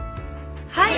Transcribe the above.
はい。